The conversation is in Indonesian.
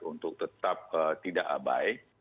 untuk tetap tidak abai